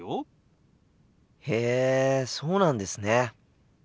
へえそうなんですね。